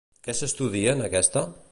Què s'estudia en aquesta?